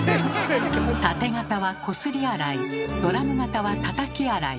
タテ型は「こすり洗い」ドラム型は「たたき洗い」。